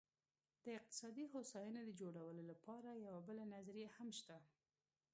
د اقتصادي هوساینې د جوړولو لپاره یوه بله نظریه هم شته.